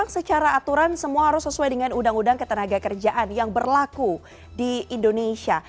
secara aturan semua harus sesuai dengan undang undang ketenaga kerjaan yang berlaku di indonesia